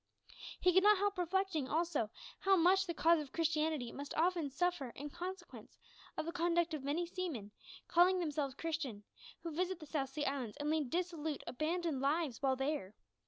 He could not help reflecting, also, how much the cause of Christianity must often suffer in consequence of the conduct of many seamen, calling themselves Christians, who visit the South Sea Islands, and lead dissolute, abandoned lives while there.